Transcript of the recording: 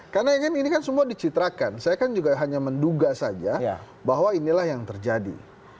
karena ini kan semua dicitrakan saya kan juga hanya menduga saja bahwa inilah yang terjadi